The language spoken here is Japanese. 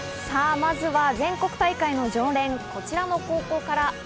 まずは全国大会の常連、こちらの高校から。